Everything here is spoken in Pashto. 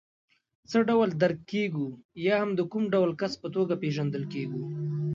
څه ډول درک کېږو یا هم د کوم ډول کس په توګه پېژندل کېږو.